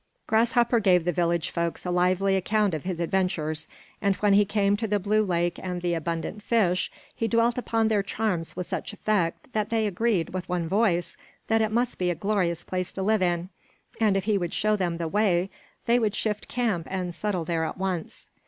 Grasshopper gave the village folks a lively account of his adventures, and when he came to the blue lake and the abundant fish, he dwelt upon their charms with such effect that they agreed, with one voice, that it must be a glorious place to live in, and if he would show them the way they would shift camp and settle there at once.